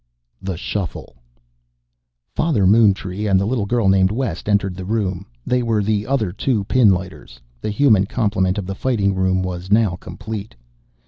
THE SHUFFLE Father Moontree and the little girl named West entered the room. They were the other two pinlighters. The human complement of the Fighting Room was now complete.